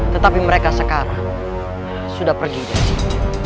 tetapi mereka sekarang sudah pergi ke sini